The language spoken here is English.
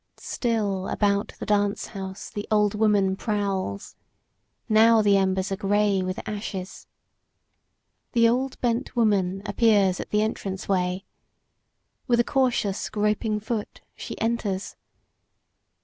Still about the dance house the old woman prowls. Now the embers are gray with ashes. The old bent woman appears at the entrance way. With a cautious, groping foot she enters.